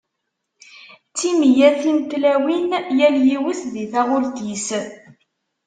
D timeyyatin n tlawin, yal yiwet di taɣult-is.